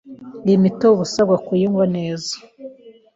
Iyi mitobe uba usabwa kuyinywa neza